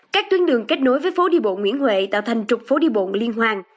các tuyến đường kết nối với phố đi bộ nguyễn huệ tạo thành trục phố đi bộ liên hoàn